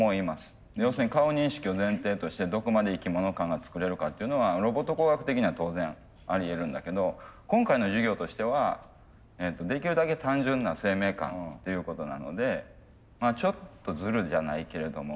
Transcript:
要するに顔認識を前提としてどこまで生き物感が作れるかっていうのはロボット工学的には当然ありえるんだけど今回の授業としてはできるだけ単純な生命感っていうことなのでちょっとズルじゃないけれども。